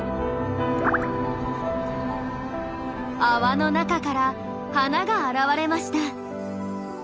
泡の中から花が現れました。